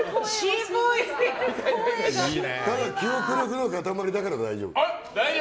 記憶力の塊だから大丈夫。